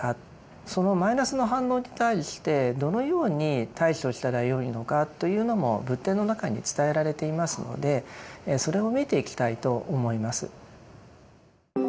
そのマイナスの反応に対してどのように対処したらよいのかというのも仏典の中に伝えられていますのでそれを見ていきたいと思います。